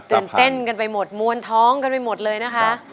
ตื่นเต้นกันไปหมดมวลท้องกันไปหมดเลยนะคะ